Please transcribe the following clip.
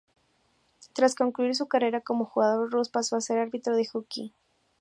Tras concluir su carrera como jugador, Ross pasó a ser árbitro de hockey.